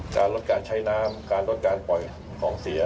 การลดการใช้น้ำการลดการปล่อยของเสีย